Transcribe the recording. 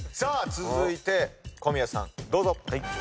続いて小宮さんどうぞ。